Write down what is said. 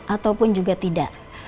ataupun juga tidak